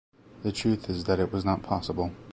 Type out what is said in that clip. The truth is that it was not possible.